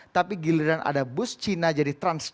tapi giliran ada bus cina jadi transparan